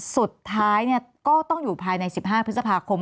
สุดท้ายก็ต้องอยู่ภายใน๑๕พฤษภาคม